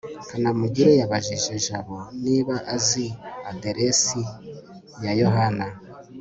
kanamugire yabajije jabo niba azi aderesi ya yohana